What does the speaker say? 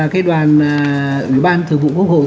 cái đoàn ủy ban thường vụ quốc hội